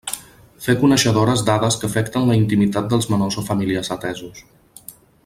Fer coneixedores dades que afecten la intimitat dels menors o familiars atesos.